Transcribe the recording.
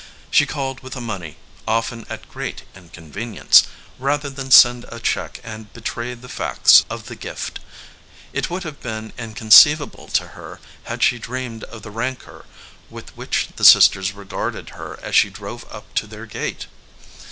She called with the money, often at great inconvenience, rather than send a check and betray the fact of the gift. It would have been inconceivable to her had she dreamed of the rancor with which the sisters regarded her as she drove up to their gate.